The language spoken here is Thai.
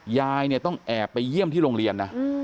ยายเนี่ยต้องแอบไปเยี่ยมที่โรงเรียนนะ